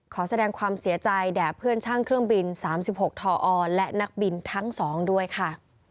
ขอแสดงความเสียใจแด่เพื่อนช่างเครื่องบิน๓๖ทอและนักบินทั้ง๒ด้วยค่ะ